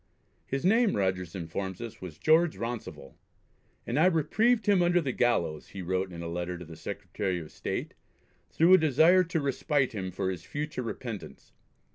His name, Rogers informs us, was George Rounsivell, and "I reprieved him under the gallows," he wrote in a letter to the Secretary of State, "through a desire to respite him for his future repentance.